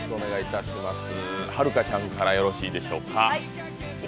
はるかちゃんからよろしいでしょうか。